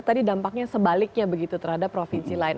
tadi dampaknya sebaliknya begitu terhadap provinsi lain